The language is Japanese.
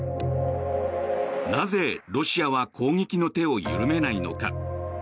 なぜロシアは攻撃の手を緩めないのか。